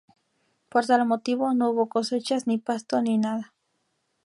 Por tal motivo, no hubo cosechas, ni pasto, ni nada.